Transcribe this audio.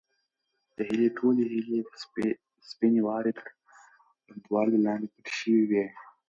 د هیلې ټولې هیلې د سپینې واورې تر لوندوالي لاندې پټې شوې وې.